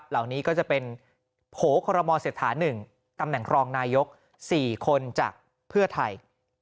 เหล่านี้ก็จะเป็นโผล่คอรมอเศรษฐา๑ตำแหน่งรองนายก๔คนจากเพื่อไทย